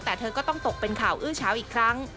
แต่เธอก็ต้องตกเป็นข่าวอื้อเช้าอีกครั้ง